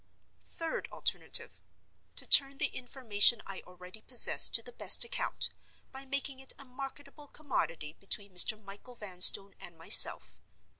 Third alternative: to turn the information I already possess to the best account, by making it a marketable commodity between Mr. Michael Vanstone and myself.